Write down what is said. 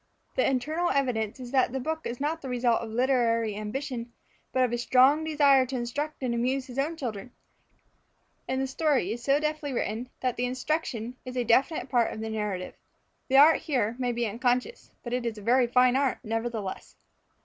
The internal evidence is that the book is not the result of literary ambition, but of a strong desire to instruct and amuse his own children, and the story is so deftly written that the instruction is a definite part of the narrative. The art here may be unconscious, but it is a very fine art nevertheless.